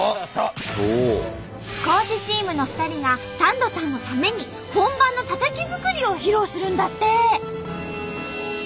高知チームの２人がサンドさんのために本場のタタキ作りを披露するんだって！